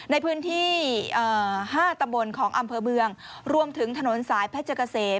ในพื้นที่๕ตำบลของอำเภอเมืองรวมถึงถนนสายเพชรเกษม